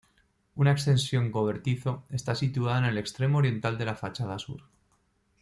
Una extensión cobertizo está situada en el extremo oriental de la fachada sur.